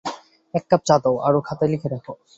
এক কাপ চা দাও, আর খাতায় লিখে রাখো।